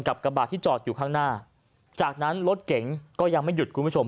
กระบาดที่จอดอยู่ข้างหน้าจากนั้นรถเก๋งก็ยังไม่หยุดคุณผู้ชม